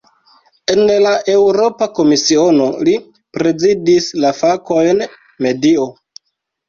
En la Eŭropa Komisiono, li prezidis la fakojn "medio".